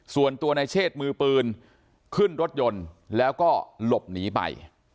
ส่วนตัวในเชศมือปืนขึ้นรถยนต์แล้วก็หลบหนีไป